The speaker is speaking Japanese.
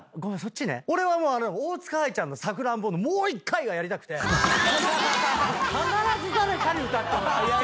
俺は大塚愛ちゃんの『さくらんぼ』の「もう１回」がやりたくて必ず誰かに歌ってもらう。